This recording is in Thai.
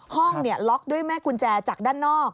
ห้องล็อกด้วยแม่กุญแจจากด้านนอก